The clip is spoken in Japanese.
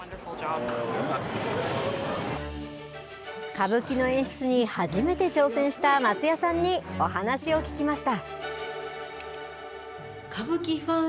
歌舞伎の演出に初めて挑戦した松也さんにお話を聞きました。